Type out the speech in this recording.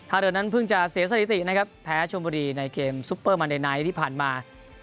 เรือนั้นเพิ่งจะเสียสถิตินะครับแพ้ชมบุรีในเกมซุปเปอร์มาในไนท์ที่ผ่านมา